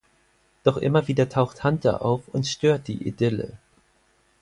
Doch immer wieder taucht Hunter auf und stört die Idylle.